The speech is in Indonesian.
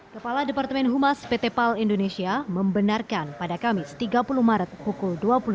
kepala departemen humas pt pal indonesia membenarkan pada kamis tiga puluh maret pukul dua puluh tiga